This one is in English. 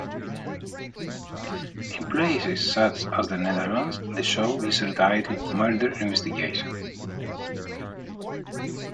In places such as the Netherlands, the show is retitled "Murder Investigation".